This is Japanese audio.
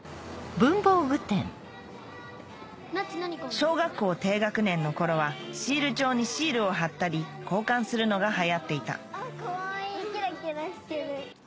小学校低学年の頃はシール帳にシールを貼ったり交換するのが流行っていたかわいいキラキラしてる。